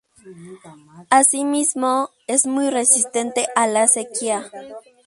Así mismo, es muy resistente a la sequía.